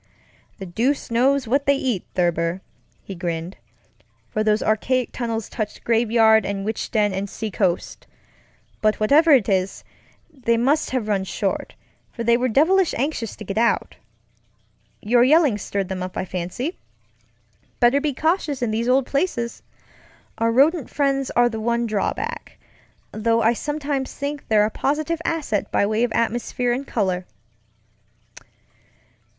"The deuce knows what they eat, Thurber," he grinned, "for those archaic tunnels touched graveyard and witch den and seacoast. But whatever it is, they must have run short, for they were devilish anxious to get out. Your yelling stirred them up, I fancy. Better be cautious in these old placesŌĆöour rodent friends are the one drawback, though I sometimes think they're a positive asset by way of atmosphere and color."